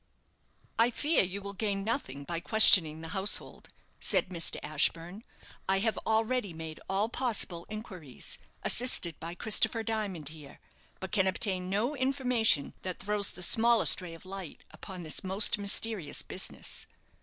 "I fear you will gain nothing by questioning the household," said Mr. Ashburne. "I have already made all possible inquiries, assisted by Christopher Dimond here, but can obtain no information that throws the smallest ray of light upon this most mysterious business."